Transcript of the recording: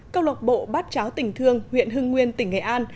câu lộc bộ bát cháo tỉnh thương huyện hưng nguyên tỉnh nghệ an